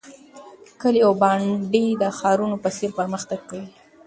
کلي او بانډې د ښارونو په څیر پرمختګ کوي.